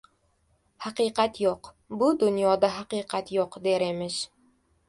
— Haqiqat yo‘q, bu dunyoda haqiqat yo‘q... — der emish.